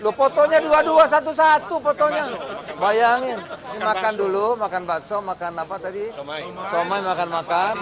lu fotonya dua ribu dua ratus sebelas fotonya bayangin makan dulu makan bakso makan apa tadi tomai makan makan